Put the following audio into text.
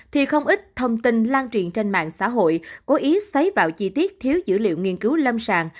thì không ít thông tin lan truyền trên mạng xã hội có ý xấy vào chi tiết thiếu dữ liệu nghiên cứu lâm sạn